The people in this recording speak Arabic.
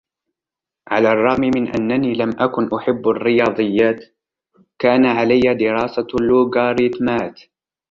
على الرغم من أنني لم أكن أحب الرياضيات، كان عليِ دراسة اللوغاريتمات.